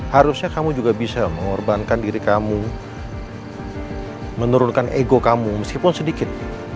harusnya kamu juga bisa mengorbankan diri kamu menurunkan ego kamu meskipun sedikit